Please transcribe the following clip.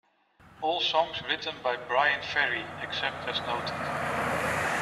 All songs written by Bryan Ferry except as noted.